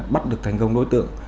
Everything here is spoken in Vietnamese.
bắt được thành công đối tượng